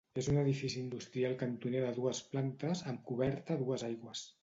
És un edifici industrial cantoner de dues plantes, amb coberta a dues aigües.